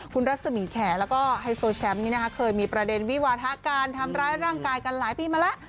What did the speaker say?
คุณรัศมีแขแล้วก็ไฮโซแชมป์นี้นะคะเคยมีประเด็นวิวาทะการทำร้ายร่างกายกันหลายปีมาแล้ว